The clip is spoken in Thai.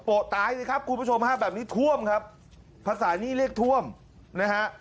ตายสิครับคุณผู้ชมฮะแบบนี้ท่วมครับภาษานี้เรียกท่วมนะฮะ